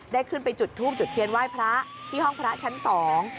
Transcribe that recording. ได้ขึ้นไปจุดทูบจุดเทียนไหว้พระที่ห้องพระชั้นสอง